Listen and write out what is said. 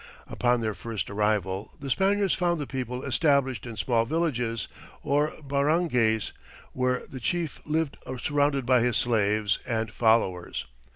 Upon their first arrival, the Spaniards found the people established in small villages, or barangays, where the chief lived surrounded by his slaves and followers.